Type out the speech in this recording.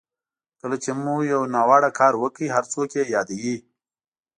کله چې مو یو ناوړه کار وکړ هر څوک یې یادوي.